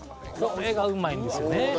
「これがうまいんですよね」